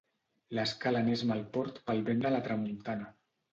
L'Escala n'és mal port pel vent de la tramuntana.